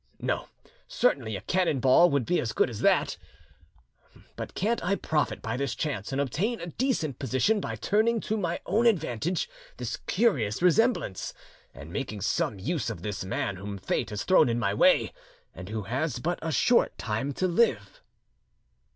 No, certainly a cannon ball would be as good as that. But can't I profit by this chance, and obtain a decent position by turning to my own advantage this curious resemblance, and making some use of this man whom Fate has thrown in my way, and who has but a short time to live?"